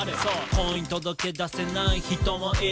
「婚姻届出せない人もいる」